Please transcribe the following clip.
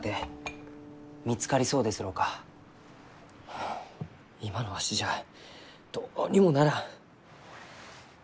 はあ今のわしじゃどうにもならん。